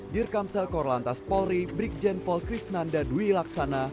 dirkamsel korlantas polri brigjen paul krisnanda dwi laksana